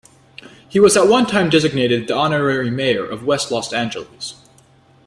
He was at one time designated the honorary mayor of West Los Angeles.